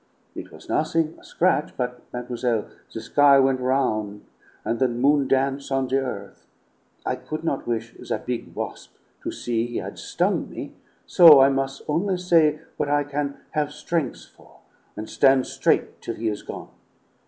It was nothing, a scratch; but, mademoiselle, the sky went round and the moon dance' on the earth. I could not wish that big wasp to see he had stung me; so I mus' only say what I can have strength for, and stand straight till he is gone.